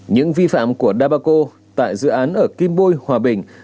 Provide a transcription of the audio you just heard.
những vi phạm của dabaco tại dự án ở kim bôi hòa bình